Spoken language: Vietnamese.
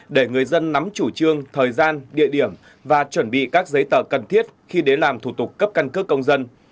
để người dân nắm chủ trương thời gian địa điểm và chuẩn bị các giấy tờ cần thiết khi đến làm thủ tục cấp căn cước công dân